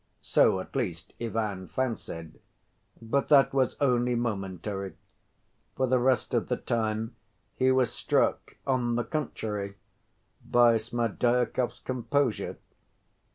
So at least Ivan fancied. But that was only momentary. For the rest of the time he was struck, on the contrary, by Smerdyakov's composure.